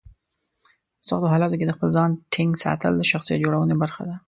په سختو حالاتو کې د خپل ځان ټینګ ساتل د شخصیت جوړونې برخه ده.